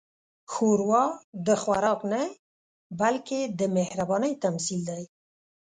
ښوروا د خوراک نه، بلکې د مهربانۍ تمثیل دی.